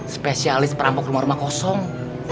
spesialis perampok rumah rumah kosong